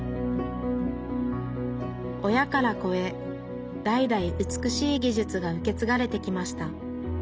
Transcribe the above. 親から子へ代々美しい技術が受け継がれてきました。